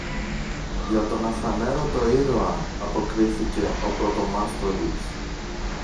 Για τον Αφανέρωτο Ήρωα, αποκρίθηκε ο πρωτομάστορης.